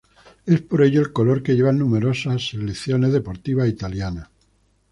Es por ello el color que llevan numerosas selecciones deportivas italianas.